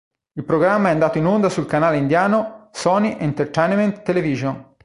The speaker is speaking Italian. Il programma è andato in onda sul canale indiano "Sony Entertainment Television".